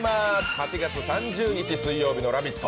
８月３０日水曜日の「ラヴィット！」